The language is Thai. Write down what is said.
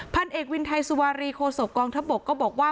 พันเอกวินไทยสุวารีโคศกองทัพบกก็บอกว่า